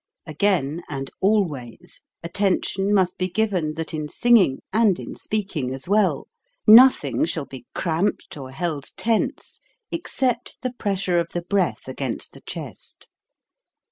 Again, and always, attention must be given that in singing, and in speaking as well, nothing shall be cramped or held tense, except the pressure of the breath against the chest.